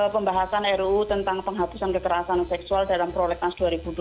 pembahasan ruu tentang penghapusan kekerasan seksual dalam prolegnas